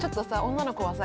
女の子はさ